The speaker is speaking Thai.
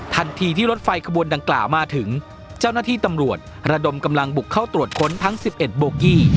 ทันทีที่รถไฟขบวนดังกล่าวมาถึงเจ้าหน้าที่ตำรวจระดมกำลังบุกเข้าตรวจค้นทั้ง๑๑โบกี้